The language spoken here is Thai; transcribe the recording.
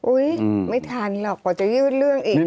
อุ๊ยไม่ทันหรอกวังจะยืดเรื่องอีก